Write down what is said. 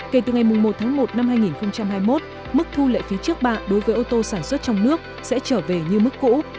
kể từ ngày một tháng một năm hai nghìn hai mươi một mức thu lệ phí trước bạ đối với ô tô sản xuất trong nước sẽ trở về như mức cũ